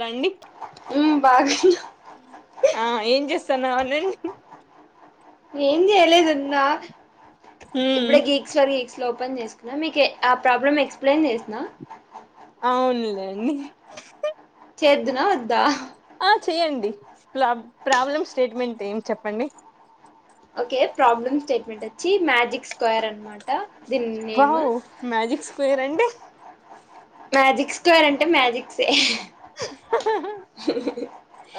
రండి ఉమ్ బాగున్నా ఆ ఏం చేస్తనావనండి ఏం చెయ్లేదున్నా ఉమ్ ఇప్పుడే గీక్ స్టోరీ స్లోపెన్ చేసుకున్నా మీకే ఆ ప్రాబ్లం ఎక్స్ప్లెయిన్ చేస్నా అవునులేండి. చేద్దునా వద్ధా ఆ చెయ్యండి ప్లాబ్ ప్రాబ్లమ్స్ స్టేట్మెంట్ ఏం చెప్పండి ఓకే ప్రాబ్లమ్ స్టేట్మెంట్ వచ్చీ మ్యాజిక్ స్క్వేర్ అన్మా కావు మ్యాజిక్ స్క్వేర్ అంటే మ్యాజిక్ స్క్వేర్ అంటే మ్యాజిక్సే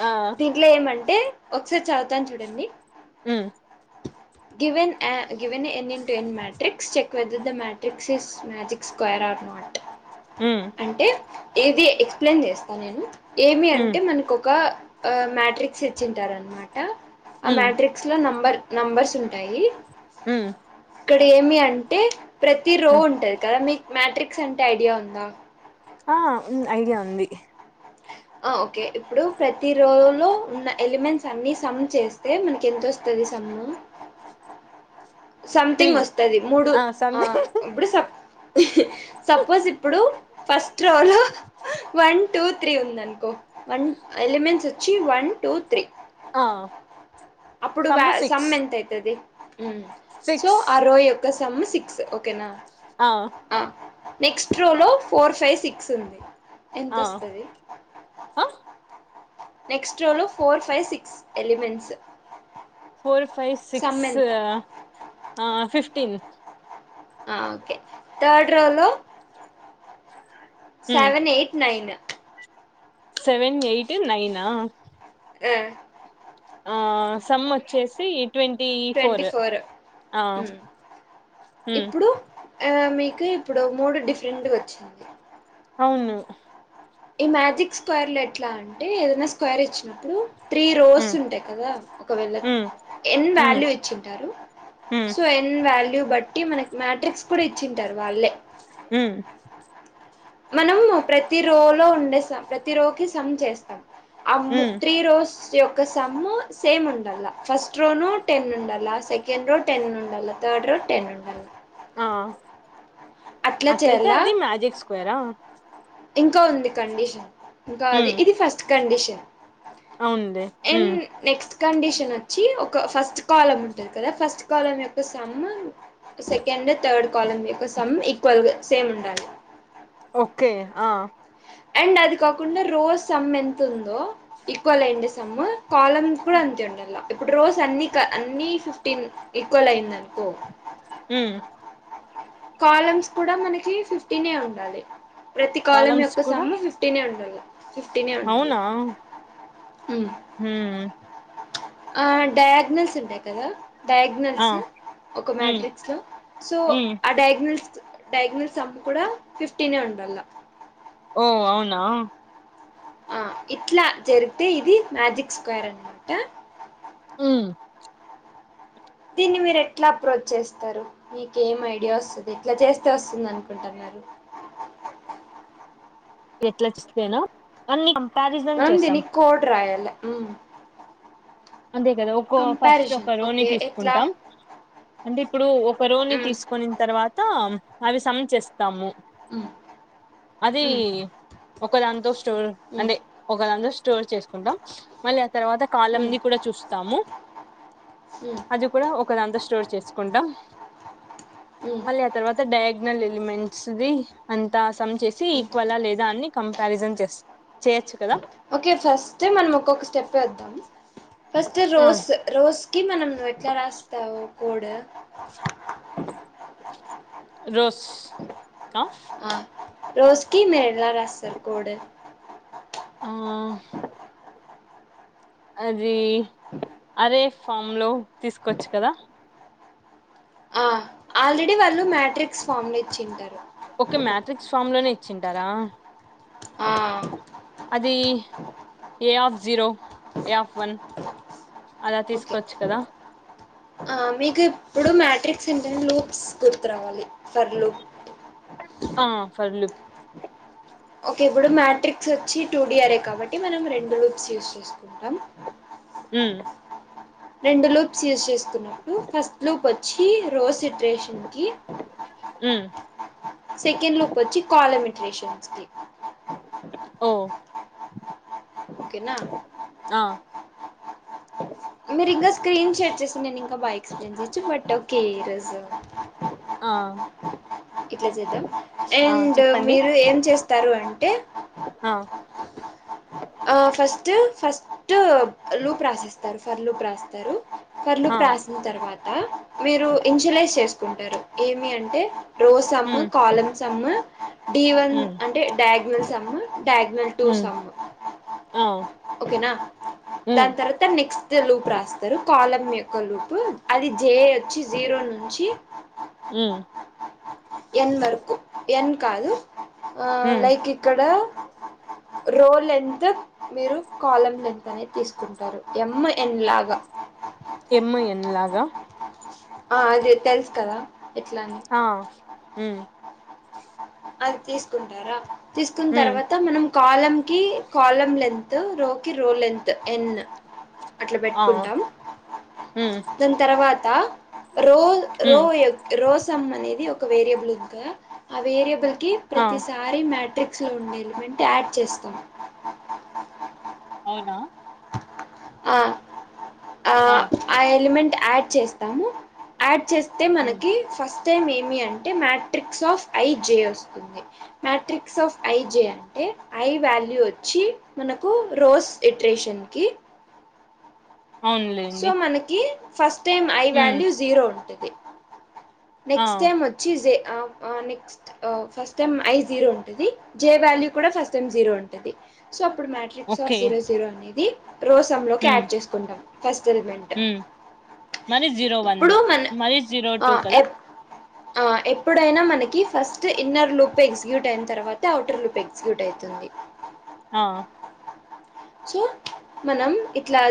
ఆ దీన్ ట్లేమంటే ఒకసారి చదువుతాను చూడండి ఉ గివెన్ యా గివెనే n n to n matrix check క్వదిదా matrix is magic square or not uh అంటే ఏది ఎక్స్ప్లెయిన్ చేస్తా నేను ఏమి ఉమ్ అంటే మనకు ఒకా ఆ మ్యాట్రిక్స్ ఇచ్చింటారన్మాట ఆ ఉమ్ మ్యాట్రిక్స్ లో నంబర్ నంబర్స్ ఉంటాయి ఉమ్ టేమి అంటే ప్రతి రో ఉమ్ ఉంటది కదా మీకు మ్యాట్రిక్స్ అంటే ఐడియా ఉందా ఆ ఉంద్ ఐడియా ఉంది. ఆ ఓకే ఇప్పుడు ప్రతి రోలో ఉన్న ఎలిమెంట్స్ అన్నీ సమ్ చేస్తే మనకి ఎంతొస్తుంది సమ్ము త్రీ సంథింగ్ వస్తది మూడు ఆ ఇప్పుడు సబ్ సపోజ్ ఇప్పుడూ ఫస్ట్ రోలో వన్ టూ త్రీ ఉందనుకో వన్ ఎలిమెంట్స్ వచ్చీ వన్ టూ త్రీ ఆ అప్పుడు వా సమ్ము సిక్స్ సమ్ ఎంత అయితది ఊ సో సిక్స్ ఆరో యొక్క సమ్ సిక్స్ ఓకేనా ఆ అ నెక్స్ట్ రోలో ఫోర్ ఫైవ్ సిక్స్ ఉంది ఆ ఎంతొస్తది అ నెక్స్ట్ రోలో four five six elements four five six కదా ఫిఫ్టీన్ ఆ ఒకే థర్డ్ రోలో జాన్వరి eight seven eight nine seven eight నైనా ఆ ఆ సమ్ వచ్చేసి ట్వంటీ ఫోర్ ఆ మ్ ఊ ఇప్పుడు ఆ మీకు ఇప్పుడు మూడు డిఫరెంట్ గా వచ్చింది. అవును ఈ మ్యాజిక్ స్క్వేర్ లో ఎట్లా అంటే ఏదైనా స్క్వేర్ ఇచ్చినప్పుడు త్రీ రోస్ ఉమ్ ఉంటాయి కదా, ఒకవేళ ఉమ్ ఎన్ ఉమ్ వాల్యూ ఇచ్చింటారు. ఉమ్ సో ఎన్ వాల్యూ బట్టి, మనకి మాట్రిక్స్ కూడా ఇచ్చింటారు వాళ్ళే. హు మనము ప్రతి రోలో ఉండే సమ్, ప్రతి రోకి సమ్ చేస్తాం. అమ్ ఉమ్ త్రీ రోస్ ప్రతి ఒక్క సమ్ సేమ్ ఉండాల, ఫస్ట్ రోలో టెన్ ఉండాల, సెకండ్ రో టెన్ ఉండాల. థర్డ్ రో టెన్ ఉంటాల ఆ అట్లా అట్లయితే చేయాల అది మ్యాజిక్ స్క్వేరా? ఇంకా ఉంది కండిషన్, ఇంకా అది ఉమ్ ఇది ఫస్ట్ కండిషన్. అవునులే ఎన్ ఉమ్ నెక్స్ట్ కండిషన్ వచ్చి, ఒక ఫస్ట్ కాలమ్ ఉంటది కదా, ఫస్ట్ కాలమ్ యొక్క సమ్ సెకండ్ థర్డ్ కాలమ్ యొక్క సమ్ ఈక్వల్ గా సేమ్ ఉండాలి. ఓకే ఆ అండ్ అది కాకుండా రో సమ్ ఎంతుందో ఈక్వల్ అయిండే సమ్, కాలమ్ కూడా అంతే ఉండాల. ఇప్పుడు రోస్ అన్ని క అన్ని ఫిఫ్టీన్ ఈక్వల్ అయిందనుకో హుమ్ కాలమ్స్ కూడా మనకి ఫిఫ్టీనే ఉండాలి. ప్రతి కాలమ్ కాలమ్స్ యొక్క కూడా సమ్ ఫిఫ్ ఒట్టిగనే ఉండాలె అవునా మ్ హు ఆ డయాగ్నల్స్ ఉంటాయి కదా? ఆ డయాగ్నల్స్ ఒక ఉమ్ మ్యాట్రిక్స్ లో సో ఉమ్ ఆ డయాగ్నల్స్, డయాగ్నల్స్ సమ్ కూడా ఫిఫ్టీనే ఉండాల. ఓ, అవునా ఇట్లా జరిగితే ఇది మ్యాజిక్ స్క్వేర్ అనమాట ఊ దీన్ని మీరు ఎట్లా అప్రోచ్ చేస్తారు? మీకేం ఐడియా వస్తది, ఎట్ల చేస్తే వస్తుంది అనుకుంటున్నారు. ఎట్లస్తేనా, అన్ని కంపారిజన్ మనం చేసాం. దీనికి కోడ్ రాయాల అంతే కదో ఫస్ట్ ఒక కంపారిజన్ రోని ఓకే ఎట్లా తీసుకుంటాం, అంటే ఇప్పుడు ఒక రోని మ్ తీసుకునిన తర్వాత తో అవి సమ్ చేస్తాము. మ్ అది మ్ మ్ ఒక దాంతో స్టోర్ అంటే ఒక దాంతో స్టోర్ చేసుకుంటాం, మళ్ళీ ఆ తర్వాత మ్ కాలమ్ మ్ ని కూడా చూస్తాము. అది కూడా ఒకదాంతో స్టోర్ చేసుకుంటాం, మ్ మళ్ ఆ తర్వాత డయాగ్నల్ ఎలిమెంట్స్ ది అంతా సమ్ చేసి మ్ ఈక్వలా లేదా అని కంపారిజన్ చేస్ చేయొచ్చు కదా. ఓకే ఫస్ట్ మనం ఒక్కొక్క స్టెప్ వేద్దాం, ఫస్ట్ ఆ రోస్ రోజుకి మనం నువ్వు ఎట్లా రాస్తావు కోడు రోస్ కా ఆ రోస్ కి మీరు ఎలా రాస్తారు కోడ్ ఆ అది అరే ఫామ్ లో తీసుకోవచ్చు కదా ఆ ఆల్రెడీ వాళ్ళు మ్యాట్రిక్స్ ఫామ్లు ఇచ్చింటారు ఓకే మ్యాట్రిక్స్ ఫామ్ లోనే ఇచ్చింటారా ఆ అది A of zero A of one అలా ఓకే తీసుకోవచ్చు కదా ఆ మీకు ఇప్పుడు మాట్రిక్స్ ఏంట లూక్స్ గుర్తురావాలి ఫర్లు ఆ ఫర్లు ఓకే ఇప్పుడు మ్యాట్రిక్స్ వచ్చి టూ డిఆరే కాబట్టి మనం రెండు లూప్స్ యూస్ చేసుకుంటాం హ్మ్ రెండు లూప్స్ యూస్ చేసుకున్నట్టు ఫస్ట్ లోప్ వచ్చి రోస్ సిట్రేషన్ కి హ్మ్ సెకండ్ లోప్ వచ్చి కాలమిటేషన్స్ కి ఓ ఓకేనా ఆ మీరు ఇంకా స్క్రీన్ షాట్ చేసి నేను ఇంకా బాగా ఎక్స్ప్లయిన్ చేయచ్చు బట్ ఓకే ఈరోజు ఆ ఇట్లా చేద్దాం ఆ అండ్ చెప్పండి మీరు ఏం చేస్తారు అంటే ఆ ఆ ఫస్ట్ ఫస్ట్ లూప్ రాసేస్తారు ఫర్ లూప్ రాస్తారు ఫర్లు ఆ ప్ర్రాసిన తర్వాత మీరు ఇన్షులైజ్ చేసుకుంటారు ఏమి అంటే రోసెమ్ము ఉమ్ కాలమ్ సెమ్ము డి వన్ ఉమ్ అంటే diagonal sum diagonal two sum ఓ ఓకేనా దాని తర్వాత నెక్స్ట్ లూప్ రాస్తారు కాలం యొక్క లూపు అది జే వచ్చి జీరో నుంచి హ్మ్ ఎన్ వరకు ఎన్ కాదు ఉమ్ లైక్ ఇక్కడ రోల్ లెంత్ మీరు కాలం లెంత్ అనేది తీసుకుంటారు ఎం ఎన్ లాగా ఎం ఎన్ లాగా ఆ అదే తెలుసు కదా ఎట్లాని ఆ హ్మ్ అది తీసుకుంటారా తీసుకున్న ఉమ్ తర్వాత మనం కాలం కి కాలం లెంత్ రో కి రో లెంత్ ఎన్ అట్లా ఆ పెట్టుకుంటాం ఉమ్ దాని తర్వాత రో రో ఉమ్ రోసం అనేది ఒక వేరియబుల్ ఉంది కదా ఆ వేరియబుల్ కి ఆ ప్రతిసారి రీ మ్యాట్రిక్స్లో ఉండే ఎలి వెంట్ యాడ్ చేస్తాం అవునా ఆ ఆ ఆ ఆ ఎలిమెంట్ యాడ్ చేస్తాము యాడ్ చేస్తే ఉమ్ మనకి ఫస్ట్ టైమ్ ఏమి అంటే మ్యాట్రిక్స్ ఆఫ్ ఐ జే వస్తుంది మ్యాట్రిక్స్ ఆఫ్ ఐ జే అంటే ఐ వాల్యూ వచ్చి మనకు రోస్ లిట్రేషన్కి సో అవునులేండి మనకి first time I um value zero ఉంటది ఆ నెక్స్ట్ టైమ్ వచ్చి జే ఆ ఆ next first time I zero ఉంటది జే వాల్యూ కూడా ఫస్ట్ టైం జీరో ఉంటుంది సో అప్పుడు matrix of okay zero zero అనేది రోస లోకి ఉమ్ యాడ్ చేసుకుంటాం ఫస్ట్ రిమాండ్ ఉమ్ మల్లీ జీరో వన్ మన మల్లీ జీరో టూ కదా ఆ ఎప్పుడైనా మనకి ఫస్ట్ ఇన్నర్ లుప్ ఎగ్జిక్యూట్ అయిన తర్వాత ఔటర్ లుప్ ఎగ్జిక్యూట్ అవుతుంది ఆ సో మనం ఇట్లా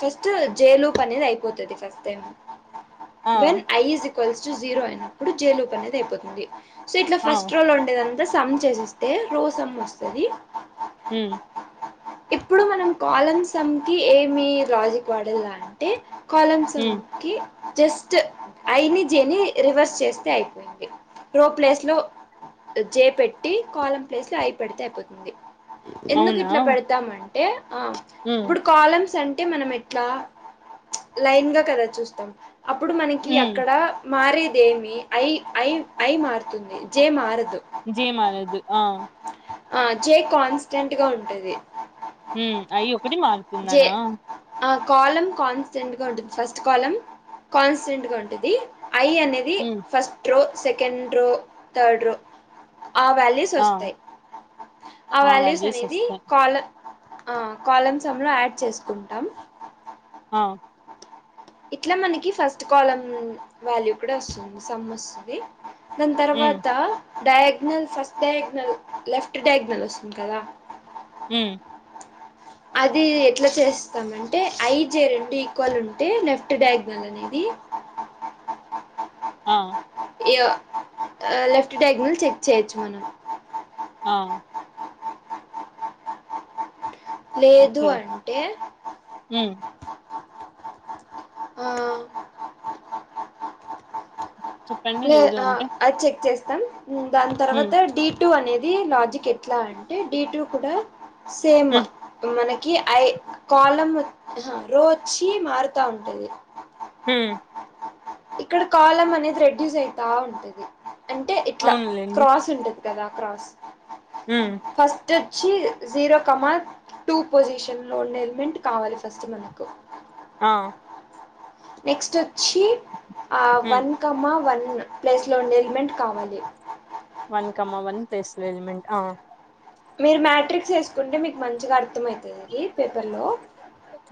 ఫస్ట్ జే లోప్ అనేది అయిపోతది ఫస్ట్ టైం ఆ when I equals to zero అయినప్పుడు జై లూప్ అనేది అయిపోతుంది సో ఇట్లా ఆ ఫస్ట్ రోల్ ఉండేదంతా సమ్ చేసేస్తే రో సమ్ వస్తుది ఉమ్ ఇప్పుడు మనం కాలం సమ్కి ఏమి లాజిక్ వాడదం ఏ ఉమ్ కలమ్స్కి జస్ట్ ఐని జీని రివర్స్ చేస్తే అయిపోయింది రో ప్లేస్ లో జే పెట్టి కోలం ప్లేస్ లోఐ పెడితే అయిపోతుంది ఎందుకు అవునా ఇట్లా పెడతామంటే ఆ ఉమ్ ఇప్పుడు కాలమ్స్ అంటే మనం ఎట్లా లైన్ గా కదా చూస్తాం అప్పుడు మనకి ఉమ్ అక్కడ మారేదేమి ఐ ఐ ఐ మారుతుంది జే మారదు జేమానదు ఆ ఆ జే కాన్స్టెంట్ గా ఉంటది ఉమ్ ఐ ఒకటి లాన్ జే ఆ కాలం కాన్స్టెంట్ గా ఉంటుంది ఫస్ట్ కాలం కాన్స్టెంట్ గా ఉంటుంది ఐ అనేది వి ఉమ్ first row second row third row ఆ వాల్ వాల్యూస్ ఆ వస్తాయి ఆ వాల్యూస్ అనేది కాల్ ఆ కాలమ్స్ సెమ్ లో యాడ్ చేసుకుంటాం ఆ ఇట్లా మనకి ఫస్ట్ కాలం వాల్యూ కూడా వస్తుంది సమ్ వస్తుంది దాన్ ఉమ్ తర్వాత diagonal first diagonal left diagonal వస్తుంది కదా మ్ అది ఎట్లా చేస్తామంటే ఐ జే రెండు ఈక్వల్ ఉంటే లెఫ్ట్ డయాగ్నల్ అనేది ఆ ఇగ ఆ లెఫ్ట్ డయాగ్నల్ చెక్ చేయొచ్చు మనం ఆ లేదు ఓకే అంటే ఉమ్ ఆ చెప్పండి లే లేదు అంటే అ చెక్ చేస్తాం దాని ఉమ్ తర్వాత డి టు అనేది లాజిక్ ఎట్లా అంటే డి టూ కూడా సేమ్ ఉమ్ మనకి ఐ కాలం రోచ్చి మారుతా ఉంటది ఉమ్ ఇక్కడ కాలం అనేది రెడ్యూస్ అయితా ఉంటది అంటే ఇట్లా అవునులేండి క్రాస్ ఉంటది కదా క్రాస్ ఉమ్ ఫస్ట్ టచి వచ్చి జీరో కామా టూ పొజిషన్ లో ఉండే ఎల్మెంట్ కావాలి ఫస్ట్ మనకు ఆ నెక్స్ట్ వచ్చి ఆ ఉమ్ వన్ కామ వన్ ప్లేస్ లో ఎల్మెంట్ కావాలి వన్ కామా వన్ ప్లేస్ లో ఎల్మెంట్ ఆ మీరు మ్యాట్రిక్స్ వేసుకుంటే మీకు మంచిగా అర్థం అవుతుంది అది పేపర్లో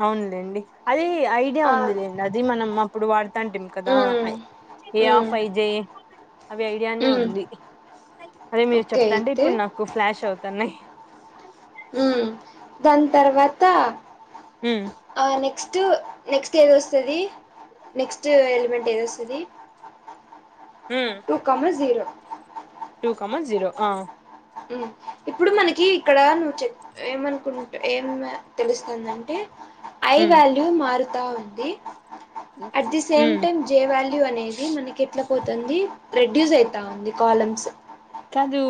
అవునులేండి అది ఐడియా ఆ ఉందిలేండి అది మనం అప్పుడు వాడు అంటిమి కదా హ్మ్ ఏ హ్మ్ ఆఫ్ అయిజయి అవి ఐడియానే హ్మ్ ఉంది అదే మీరు ఓకే చెప్తంటే అయితే ఇప్పుడు నాకు ఫ్లాష్ అవుతున్నాయి ఉం దాని తర్వాత ఉమ్ ఆ నెక్స్ట్ నెక్స్ట్ ఏది వస్తాది నెక్స్ట్ ఎలిమెంట్ ఏది వస్తాది ఉం టూ కామ జీరో ఆ ఉం ఇప్పుడు మనకి ఇక్కడ నువ్ చెప్పు ఏమనుకుంటు ఏం తెలుస్తుందంటే ఐ ఉమ్ వాల్యూ మారుతా ఉంది at the same um time J value అనేది మనకి ఎట్లా పోతుంది రెడ్యూస్ అయితా ఉంది కాలమ్స్ కాదూ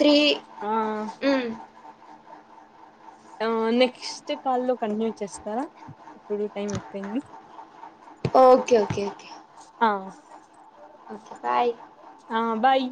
త్రీ ఆ హ్మ్ ఆ నెక్స్ట్ కాల్లో కంటిన్యూ చేస్తారా ఇప్పుడు టైం అయిపోయింది ఓకే ఓకే ఓకే ఆ ఓకే బాయ్ హా బయ్